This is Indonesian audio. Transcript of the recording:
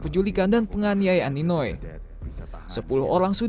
berkaitan dengan viralnya viralnya daripada perubahan ninoi